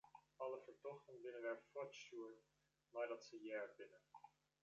Alle fertochten binne wer fuortstjoerd neidat se heard binne.